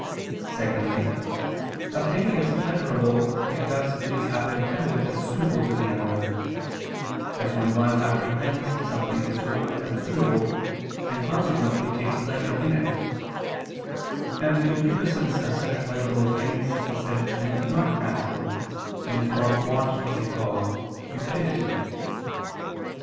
Secondly, a thing is pleasurable because it is apprehended as suitable to the animal: as when one apprehends something as good and suitable, and consequently takes pleasure in it: and concupiscence of such pleasurable things is said to be not natural, and is more wont to be called "cupidity."